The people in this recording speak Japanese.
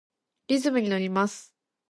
リズムにのります。